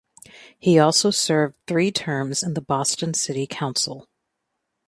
He also served three terms in the Boston City Council.